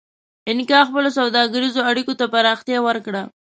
اینکا خپلو سوداګریزو اړیکو ته پراختیا ورکړه.